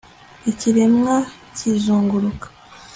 Ikiremwa kizunguruka